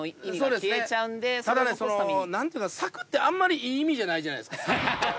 ただね「裂く」ってあんまりいい意味じゃないじゃないですか。